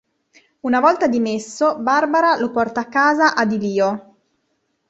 Una volta dimesso, Barbara lo porta a casa ad Ilio.